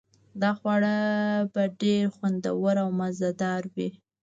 دا خواړه به ډیر خوندور او مزه دار وي